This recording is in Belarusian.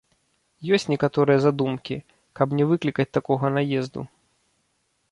Ёсць некаторыя задумкі, каб не выклікаць такога наезду.